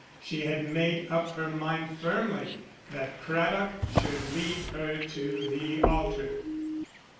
She had made up her mind firmly that Craddock should lead her to the altar.